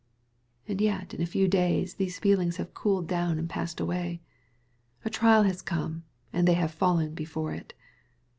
*' And yet in a few days these feelings have cooled down and passed away. A trial has come and they have fallen before it.